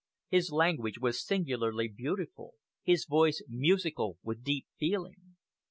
His language was singularly beautiful, his voice musical with deep feeling.